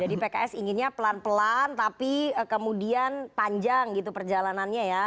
jadi pks inginnya pelan pelan tapi kemudian panjang gitu perjalanannya ya